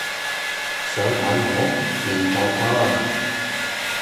想玩我?未夠班